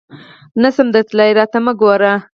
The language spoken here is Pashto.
نه شم درتلای ، راته مه ګوره !